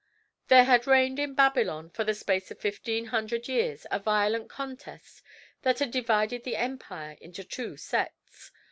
There had reigned in Babylon, for the space of fifteen hundred years, a violent contest that had divided the empire into two sects.